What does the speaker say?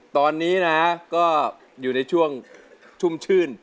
ตอนนี้นะก็อยู่ในช่วงชุ่มชื่น